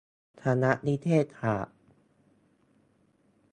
คณะนิเทศศาสตร์